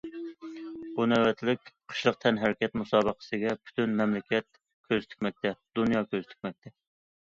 بۇ نۆۋەتلىك قىشلىق تەنھەرىكەت مۇسابىقىسىگە پۈتۈن مەملىكەت كۆز تىكمەكتە، دۇنيا كۆز تىكمەكتە.